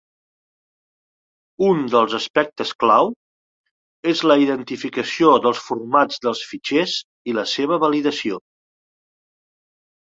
Un dels aspectes clau, és la identificació dels formats dels fitxers i la seva validació.